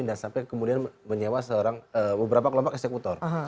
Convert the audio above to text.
dan sampai kemudian menyewa beberapa kelompok eksekutor